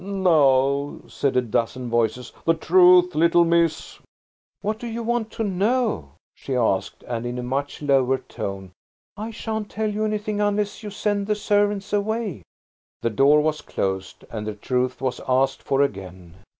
"Now," said a dozen voices, "the truth, little miss." "What do you want to know?" she asked; and, in a much lower tone, "I shan't tell you anything unless you send the servants away." The door was closed and the truth was asked for again.